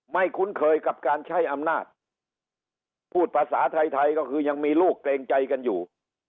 คุ้นเคยกับการใช้อำนาจพูดภาษาไทยไทยก็คือยังมีลูกเกรงใจกันอยู่